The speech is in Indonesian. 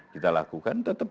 kita lakukan tetap